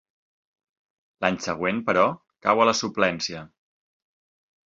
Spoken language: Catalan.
L'any següent, però, cau a la suplència.